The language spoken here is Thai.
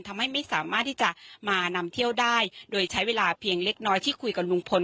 ทำให้ไม่สามารถที่จะมานำเที่ยวได้โดยใช้เวลาเพียงเล็กน้อยที่คุยกับลุงพล